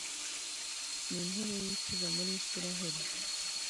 n’intebe y’ikuzo muri Israheli.